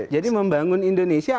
jadi membangun indonesia